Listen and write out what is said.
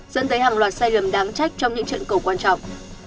dẫn tới hàng loạt sai lầm đáng trách trong những trận cầu quan trọng